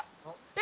え！